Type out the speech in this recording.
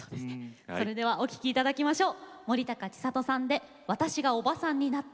それではお聴きいただきましょう。